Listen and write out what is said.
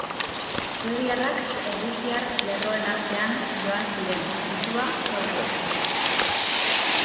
Suediarrak errusiar lerroen artean joan ziren, izua sortuz.